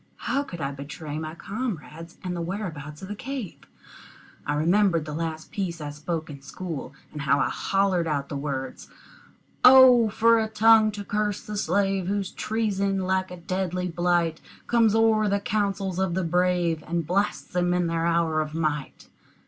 How could I betray my comrades and the whereabouts of the cave? I remembered the last piece I spoke in school, and how I hollered out the words, "O for a tongue to curse the slave Whose treason, like a deadly blight, Comes o'er the councils of the brave, And blasts them in their hour of might!"